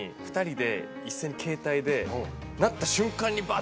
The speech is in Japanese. で。